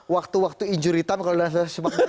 waktu waktu injuritam kalau sudah semuanya ini